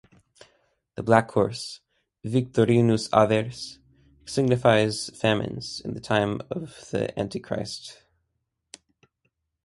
The black horse, Victorinus avers, signifies "famines" in the time of the Antichrist.